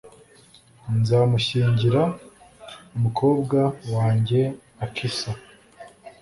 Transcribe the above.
nzamushyingira+ umukobwa wanjye akisa